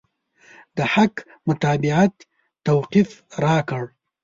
د حق د متابعت توفيق راکړه.